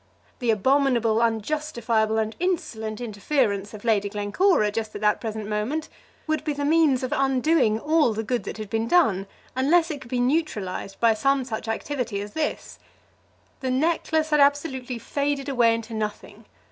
The abominable, unjustifiable, and insolent interference of Lady Glencora just at the present moment would be the means of undoing all the good that had been done, unless it could be neutralised by some such activity as this. The necklace had absolutely faded away into nothing.